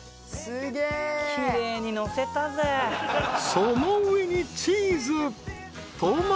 ［その上にチーズトマト］